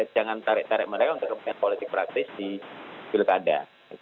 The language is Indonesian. jangan tarik tarik mereka untuk kepentingan politik praktis di pilkada